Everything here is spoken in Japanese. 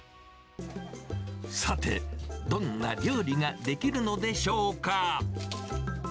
さて、どんな料理が出来るのでしょうか。